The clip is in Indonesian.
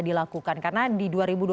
dilakukan karena di dua ribu dua puluh